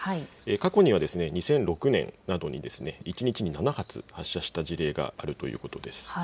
過去には２００６年などに一日に７発発射した事例があるということです。